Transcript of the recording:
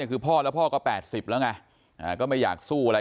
คือพ่อแล้วพ่อก็๘๐แล้วไงก็ไม่อยากสู้อะไร